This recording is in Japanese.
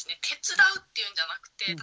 手伝うっていうんじゃなくて。